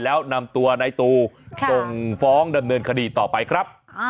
แล้วนำตัวนายตูส่งฟ้องดำเนินคดีต่อไปครับ